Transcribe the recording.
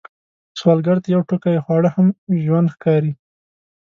سوالګر ته یو ټوقی خواړه هم ژوند ښکاري